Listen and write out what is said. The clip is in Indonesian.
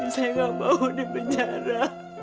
saya enggak mau dipenjara